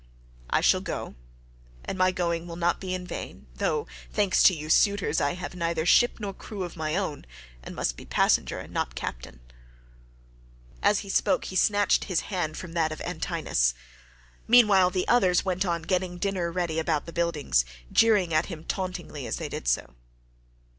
I shall go, and my going will not be in vain—though, thanks to you suitors, I have neither ship nor crew of my own, and must be passenger not captain." As he spoke he snatched his hand from that of Antinous. Meanwhile the others went on getting dinner ready about the buildings,21 jeering at him tauntingly as they did so.